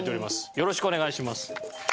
よろしくお願いします。